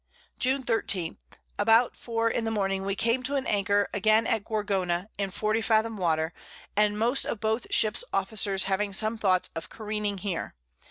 June 13. About 4 in the Morning we came to an Anchor again at Gorgona, in 40 Fathom Water, and most of both Ships Officers having some Thoughts of Careening here.